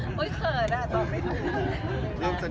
แม่กับผู้วิทยาลัย